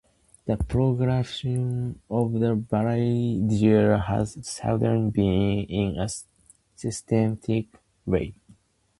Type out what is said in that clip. The propagation of the Virginia deer has seldom been undertaken in a systematic way.